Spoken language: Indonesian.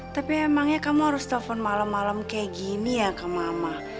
tapi emangnya kamu harus telfon malem malem kayak gini ya ke mama